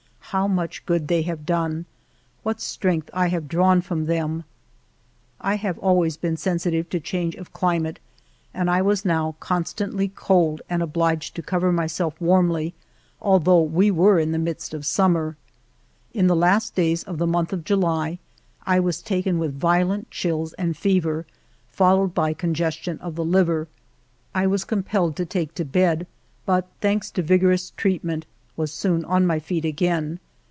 How much good they have done ! What strength I have drawn from them ! I have always been sensitive to change of climate, and I was now constantly cold and obhged to cover myself warmly, although we were in the midst of summer. In the last days of the month of July I was taken with violent chills and fever, followed by congestion of the liver. I was compelled to take to bed, but, thanks to vigorous treatment, was soon on my feet again.